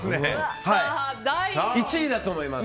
１位だと思います！